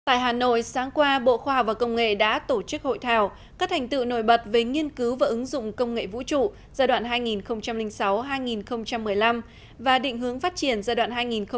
tại hà nội sáng qua bộ khoa học và công nghệ đã tổ chức hội thảo các thành tựu nổi bật về nghiên cứu và ứng dụng công nghệ vũ trụ giai đoạn hai nghìn sáu hai nghìn một mươi năm và định hướng phát triển giai đoạn hai nghìn một mươi một hai nghìn hai mươi